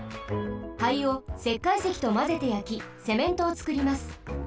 灰をせっかいせきとまぜてやきセメントをつくります。